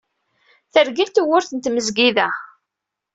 Tergel tewwurt n tmezgida.